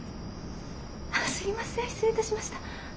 すいません失礼いたしました。